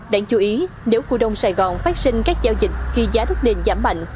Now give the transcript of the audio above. đáng chú ý nếu cua đông sài gòn phát sinh các giao dịch khi giá đất đền giảm mạnh